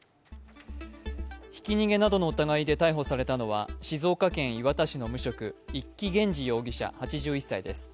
ひき逃げなどの疑いで逮捕されたのは、静岡県磐田市の無職一木元二容疑者８１歳です。